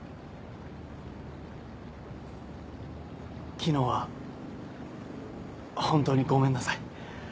昨日は本当にごめんなさい。